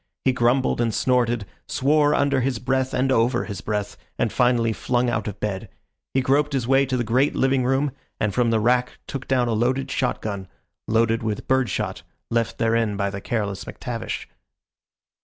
He grumbled and snorted, swore under his breath and over his breath, and finally flung out of bed. He groped his way to the great living room, and from the rack took down a loaded shot gun loaded with bird shot, left therein by the careless McTavish.